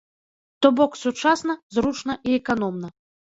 То бок сучасна, зручна і эканомна.